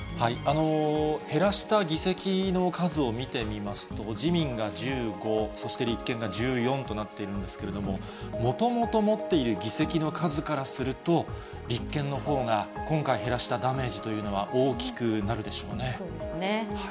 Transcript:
減らした議席の数を見てみますと、自民が１５、そして立憲が１４となっているんですけれども、もともと持っている議席の数からすると、立憲のほうが、今回減らしたダメージといそうですね。